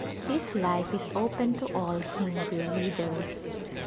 This life is open to all Hindu widows.